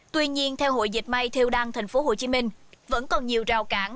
tuy nhiên theo hội dịch may theo đăng tp hcm vẫn còn nhiều rào cản để doanh nghiệp dịch may tiếp cận